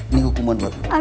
ini hukuman buat